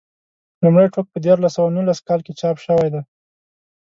لومړی ټوک په دیارلس سوه نولس کال کې چاپ شوی دی.